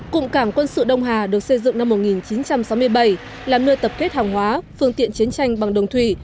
cụm cảng quân sự đông hà được xây dựng năm một nghìn chín trăm sáu mươi bảy là nơi tập kết hàng hóa phương tiện chiến tranh bằng đường thủy